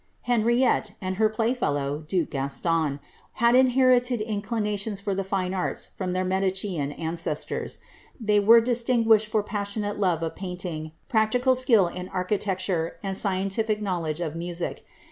Henriette, and her play fellow duke Gaston, had inherited inclinations for the fine arts from their Medician ancestors: they were distinguished for passionate love of painting, practical skill in architecture, and scientific knowledge of music.